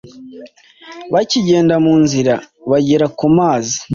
Bakigenda mu nzira bagera ku mazi,